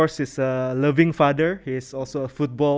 dia juga penggemar bola bola